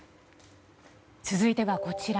続いては、こちら。